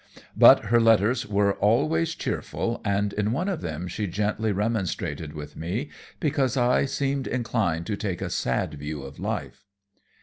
But her letters were always cheerful, and in one of them she gently remonstrated with me because I "seemed inclined to take a sad view of life."